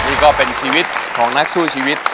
นี่ก็เป็นชีวิตของนักสู้ชีวิต